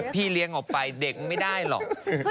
พี่เลี้ยงออกไปเด็กไม่ได้หรอก